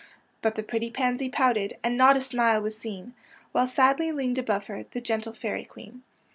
But the pretty pansy pouted, And not a smile was seen, Wliile sadly leaned above her The gentle Fairy Queen.